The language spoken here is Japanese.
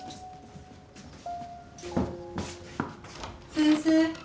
先生。